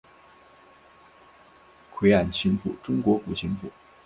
愧庵琴谱中国古琴谱。